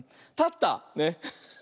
たった。ね。